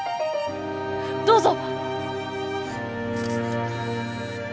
どうぞ！